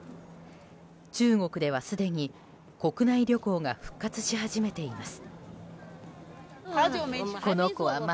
中国では、すでに国内旅行が復活し始めています。